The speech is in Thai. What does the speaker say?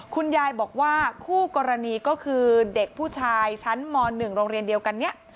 คุณยายบอกว่าคู่กรณีก็คือเด็กผู้ชายชั้นม๑โรงเรียนเดียวกันนี้